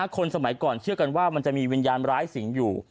คนสมัยก่อนเชื่อกันว่ามันจะมีวิญญาณร้ายสิงห์อยู่